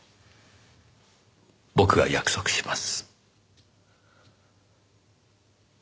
僕が約束します。